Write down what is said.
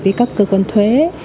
với các cơ quan thuế